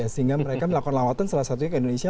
sehingga mereka melakukan lawatan salah satunya ke indonesia